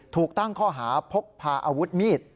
ถูกตั้งข้อหาพกพาอาวุธมีด